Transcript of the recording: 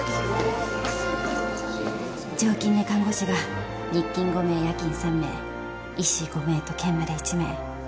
常勤で看護師が日勤５名夜勤３名医師５名と兼務で１名。